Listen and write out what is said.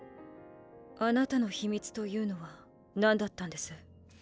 あなたの秘密というのは何だったんです？